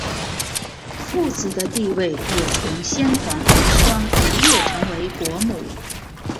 富子的地位也从先皇遗孀一跃成为国母。